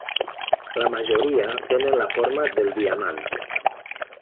La majoria tenen la forma del diamant.